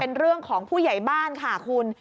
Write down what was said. เป็นเรื่องของผู้ใหญ่บ้านค่ะคุณ